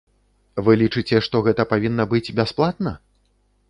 Вы лічыце, што гэта павінна быць бясплатна?